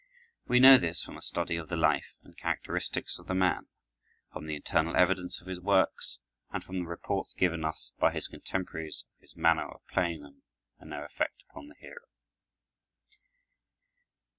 We know this from a study of the life and characteristics of the man, from the internal evidence of his works, and from the reports given us by his contemporaries of his manner of playing them and their effect upon the hearer.